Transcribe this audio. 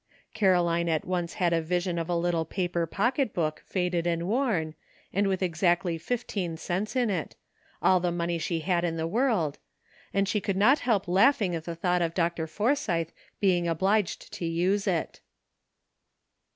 Caroline at once had a vision of a little paper pocket book faded and worn, and with exactly fifteen cents in it — all the money she had in the world — and she could not help laughing at the thought of Dr. Forsythe being obliged to use it.